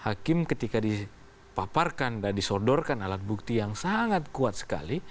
hakim ketika dipaparkan dan disodorkan alat bukti yang sangat kuat sekali